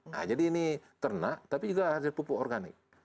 nah jadi ini ternak tapi juga hasil pupuk organik